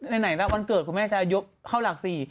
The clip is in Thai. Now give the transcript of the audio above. ในไหนวันเกิดคุณแม่จะยกข้าวหลักสี่